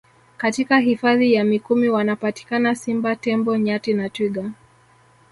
Katika Hifadhi ya Mikumi wanapatikana Simba Tembo Nyati na Twiga